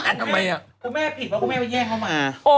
พูดแล้วพวกแม่ผิดเพราะพวกแม่ไปแย่งเค้ามา